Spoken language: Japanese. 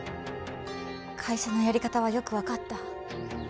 会社のやり方はよく分かった。